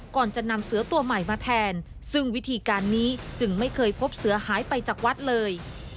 ก่อนจะนำเสือตัวใหม่มาแทนซึ่งวิธีการนี้จึงไม่เคยพบเสือหายไปจากวัดเลย